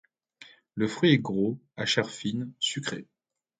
Le fruit est gros, à chair fine, sucrée.